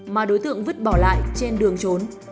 mà đối tượng vứt bỏ lại trên đường trốn